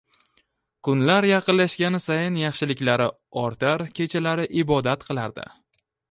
Kunlar yaqinlashgani sayin yaxshiliklari ortar, kechalari ibodat qilardi